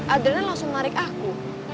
adelnya langsung tarik aku